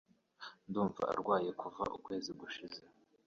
Ndumva arwaye kuva ukwezi gushize